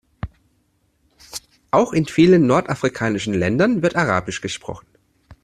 Auch in vielen nordafrikanischen Ländern wird arabisch gesprochen.